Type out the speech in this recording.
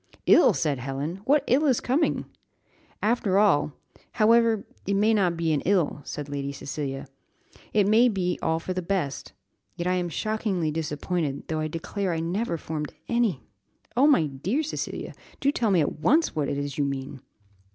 "Ill!" said Helen; "what ill is coming?" "After all, however, it may not be an ill," said Lady Cecilia; "it may be all for the best; yet I am shockingly disappointed, though I declare I never formed any " "Oh, my dear Cecilia, do tell me at once what it is you mean."